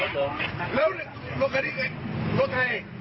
เก็บได้เอง